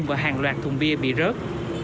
và hàng loạt thùng bia bị rớt